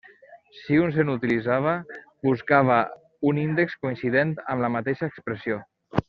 Si un se n'utilitzava, buscava un índex coincident amb la mateixa expressió.